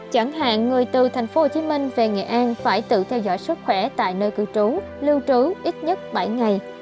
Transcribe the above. chẳng hạn người từ tp hcm về nghệ an phải tự theo dõi sức khỏe tại nơi cư trú lưu trú ít nhất bảy ngày